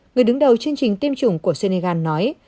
người đứng đầu chương trình tiêm chủng của senegal nói